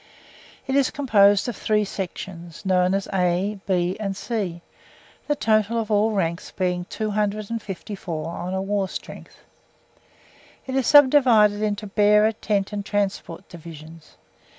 It is composed of three sections, known as A, B, and C, the total of all ranks being 254 on a war strength. It is subdivided into Bearer, Tent and Transport Divisions.